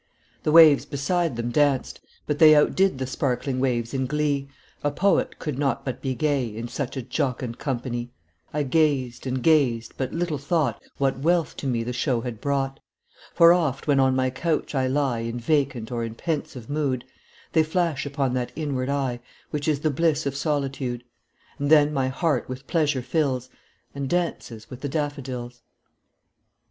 The waves beside them danced; but they Outdid the sparkling waves in glee; A poet could not but be gay, In such a jocund company; I gazed and gazed but little thought What wealth to me the show had brought: For oft, when on my couch I lie In vacant or in pensive mood, They flash upon that inward eye Which is the bliss of solitude; And then my heart with pleasure fills, And dances with the daffodils.